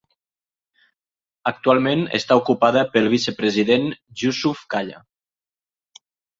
Actualment està ocupada pel vicepresident Jusuf Kalla.